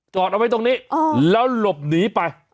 เอาไว้ตรงนี้แล้วหลบหนีไป